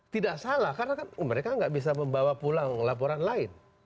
tidak salah karena kan mereka nggak bisa membawa pulang laporan lain